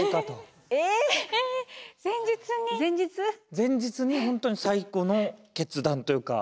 前日に本当に最後の決断というか。